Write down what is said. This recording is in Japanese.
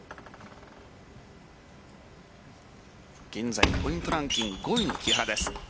現在ポイントランキング５位の木原です。